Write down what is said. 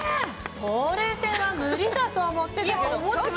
ほうれい線は無理かと思ってたけど。